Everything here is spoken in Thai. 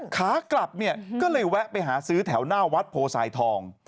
ขากลับเนี่ยก็เลยแวะไปหาซื้อแถวหน้าวัดโพสายทอง